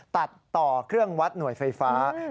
ตัดต่อเครื่องวัดหน่วยไฟฟ้า